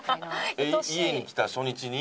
家に来た初日に？